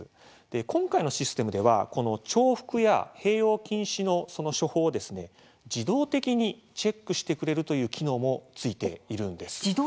今回のシステムではこの重複や併用禁止の処方を自動的にチェックしてくれるという機能も付いているんです。